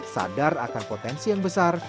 sadar akan potensi yang besar